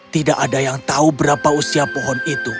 tidak ada yang tahu berapa usia pohon itu